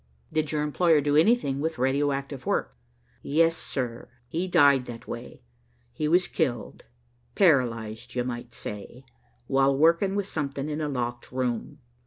"Did your employer do anything with radio active work?" "Yes, sir. He died that way. He was killed, paralysed, you might say, while working with something in a locked room.